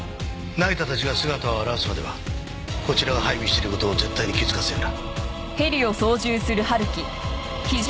成田たちが姿を現すまではこちらが配備している事を絶対に気付かせるな。